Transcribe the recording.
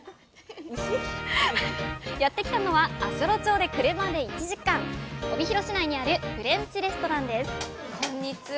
やって来たのは足寄町で車で１時間帯広市内にあるフレンチレストランですこんにちは。